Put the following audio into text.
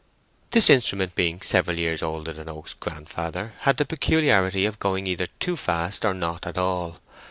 This instrument being several years older than Oak's grandfather, had the peculiarity of going either too fast or not at all.